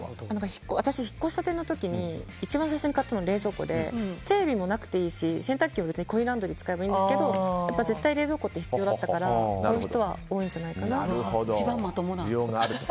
私は引っ越したての時に一番最初に買ったの冷蔵庫でテレビもなくていいし洗濯機もコインランドリーを使えばいいんですけど絶対に冷蔵庫って必要だったから買う人は多いんじゃないかな。